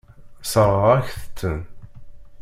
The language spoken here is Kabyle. Sseṛɣeɣ-akent-ten.